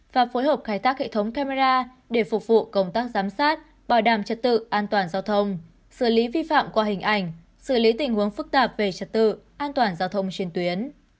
và phối hợp khai thác hệ thống camera để phục vụ công tác giám sát bảo đảm trật tự an toàn giao thông xử lý vi phạm qua hình ảnh xử lý tình huống phức tạp về trật tự an toàn giao thông trên tuyến